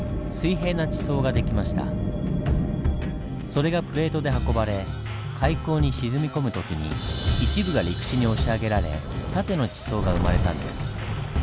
それがプレートで運ばれ海溝に沈み込む時に一部が陸地に押し上げられ縦の地層が生まれたんです。